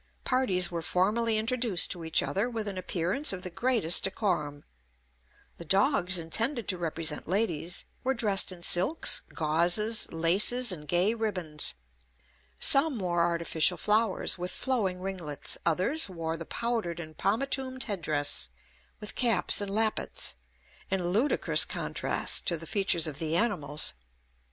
Parties were formally introduced to each other with an appearance of the greatest decorum. The dogs intended to represent ladies were dressed in silks, gauzes, laces, and gay ribbons. Some wore artificial flowers, with flowing ringlets; others wore the powdered and pomatumed head dress, with caps and lappets, in ludicrous contrast to the features of the animals.